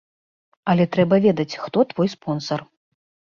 Але трэба ведаць, хто твой спонсар.